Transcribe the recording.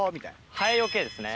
ハエよけですね